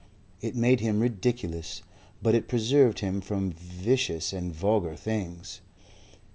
It made him ridiculous, but it preserved him from vicious and vulgar things.